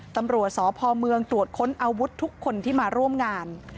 ตำรวจสพเมืองตรวจค้นอาวุธทุกคนที่มาร่วมงาน